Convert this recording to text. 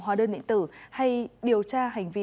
hóa đơn điện tử hay điều tra hành vi